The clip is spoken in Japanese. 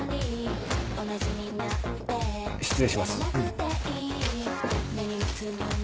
失礼します。